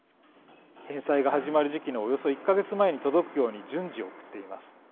返済が始まる時期のおよそ１か月前に届くように順次、送っています。